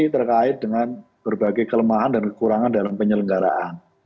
terkait dengan berbagai kelemahan dan kekurangan dalam penyelenggaraan